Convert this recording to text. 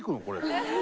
これ。